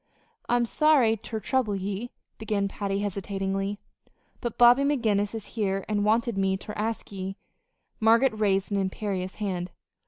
"I'm sorry ter trouble ye," began Patty, hesitatingly, "but Bobby McGinnis is here an' wanted me ter ask ye " Margaret raised an imperious hand.